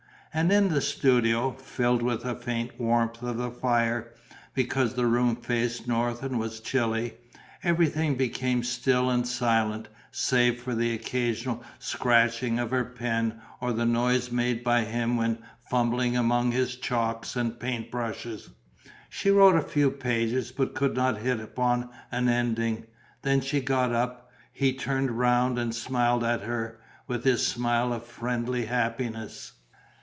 And in the studio, filled with a faint warmth of the fire, because the room faced north and was chilly, everything became still and silent, save for the occasional scratching of her pen or the noise made by him when fumbling among his chalks and paint brushes. She wrote a few pages but could not hit upon an ending. Then she got up; he turned round and smiled at her, with his smile of friendly happiness.